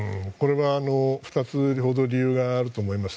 ２つほど理由があると思います。